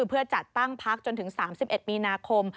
เพื่อจัดตั้งพักจนถึง๓๑มีนาคม